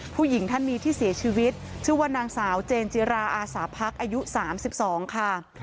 ผู้หญิงท่านนี้ที่เสียชีวิตชื่อว่านางสาวเจนจิราอาสาพักอายุ๓๒ค่ะ